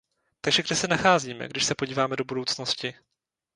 Takže kde se nacházíme, když se podíváme do budoucnosti?